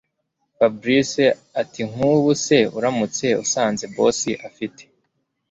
Fabric atinkubu se uramutse usanze boss afite